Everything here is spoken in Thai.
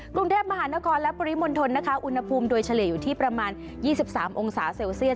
กรุงเทพมหานครและปริมณฑลนะคะอุณหภูมิโดยเฉลี่ยอยู่ที่ประมาณ๒๓องศาเซลเซียส